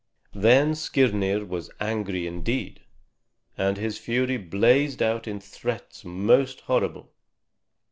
Then Skirnir was angry indeed, and his fury blazed out in threats most horrible.